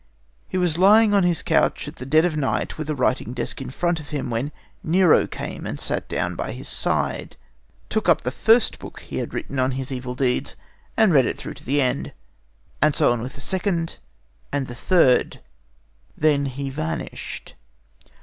He was lying on his couch at dead of night with a writing desk in front of him, when Nero came and sat down by his side, took up the first book he had written on his evil deeds, and read it through to the end; and so on with the second and the third. Then he vanished.